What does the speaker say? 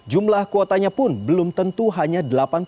jumlah kuotanya pun belum tentu hanya delapan